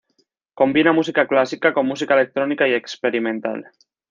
Combina música clásica, con música electrónica y experimental.